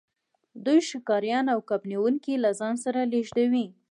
دوی ښکاریان او کب نیونکي له ځان سره لیږدوي